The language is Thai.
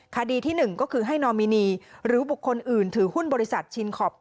คดีที่๑ก็คือให้นอมินีหรือบุคคลอื่นถือหุ้นบริษัทชินคอป